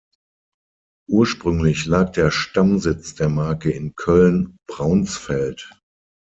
Ursprünglich lag der Stammsitz der Marke in Köln-Braunsfeld.